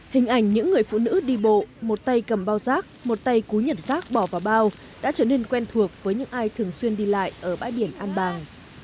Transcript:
hình ảnh những người phụ nữ đi bộ một tay cầm bao rác một tay cú nhạt rác bỏ vào bao đã trở nên quen thuộc với những ai thường xuyên đi lại ở bãi biển an bàng